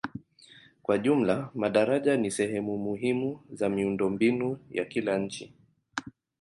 Kwa jumla madaraja ni sehemu muhimu za miundombinu ya kila nchi.